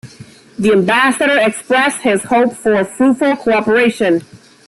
The Ambassador expressed his hope for fruitful cooperation.